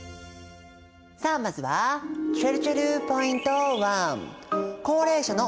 さあまずはちぇるちぇるポイント１。